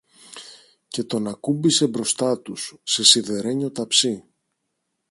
και τον ακούμπησε μπροστά τους, σε σιδερένιο ταψί.